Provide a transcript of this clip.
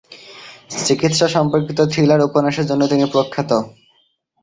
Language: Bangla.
চিকিৎসা সম্পর্কিত থ্রিলার উপন্যাসের জন্য তিনি প্রখ্যাত।